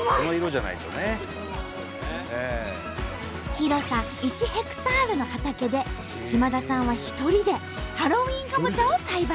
広さ１ヘクタールの畑で島田さんは１人でハロウィーンかぼちゃを栽培。